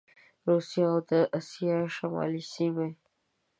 روسیه او د اسیا شمالي سیمي